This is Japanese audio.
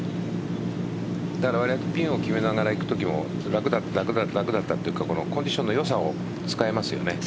ピンを決めながらいくときも楽だったというかコンディションのよさを使えますよね。